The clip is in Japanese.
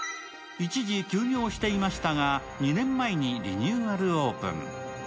一時、休業していましたが、２年前にリニューアルオープン。